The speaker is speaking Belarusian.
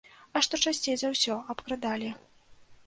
А што часцей за ўсё абкрадалі?